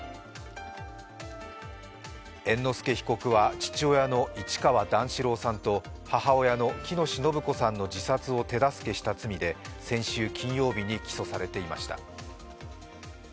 猿之助被告は父親の市川段四郎さんと母親の喜熨斗延子さんの自殺を手助けした罪で先週金曜日に起訴されていました。